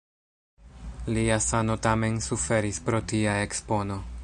Lia sano tamen suferis pro tia ekspono.